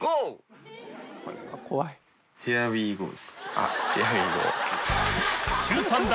あっヒア・ウィー・ゴー。